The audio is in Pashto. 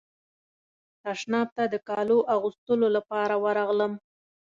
تشناب ته د کالو اغوستلو لپاره ورغلم.